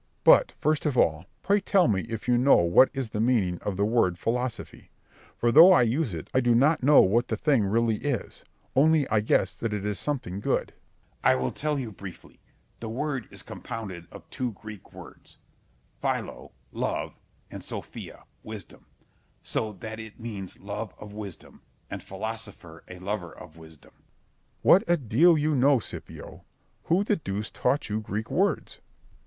Berg. But, first of all, pray tell me if you know what is the meaning of the word philosophy? For though I use it, I do not know what the thing really is, only I guess that it is something good. Scip. I will tell you briefly. The word is compounded of two Greek words, philo, love, and sophia, wisdom; so that it means love of wisdom, and philosopher a lover of wisdom. Berg. What a deal you know, Scipio. Who the deuce taught you Greek words? Scip.